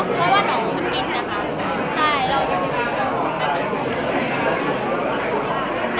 เพราะว่าน้องมันกินนะคะ